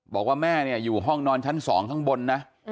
บอกว่าแม่เนี่ยอยู่ห้องนอนชั้น๒ข้างบนนะ